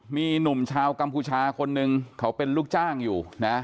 มีหนุ่มชาวกัมพูชาคนหนึ่งเขาเป็นลูกจ้างอยู่นะ